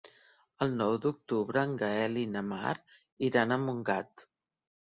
El nou d'octubre en Gaël i na Mar iran a Montgat.